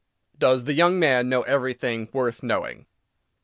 DOES THE YOUNG MAN KNOW EVERYTHING WORTH KNOWING?